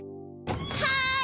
はい！